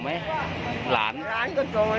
ไม่ใช่อร่านได้อันนี้